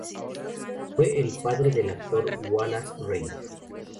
Fue el padre del actor Wallace Reid.